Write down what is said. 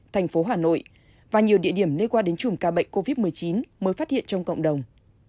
thành phố hà nội và nhiều địa điểm liên quan đến chùm ca bệnh covid một mươi chín mới phát hiện trong cộng đồng